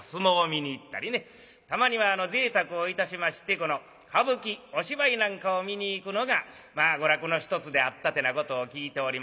たまにはぜいたくをいたしまして歌舞伎お芝居なんかを見に行くのがまあ娯楽の一つであったってなことを聞いておりますが。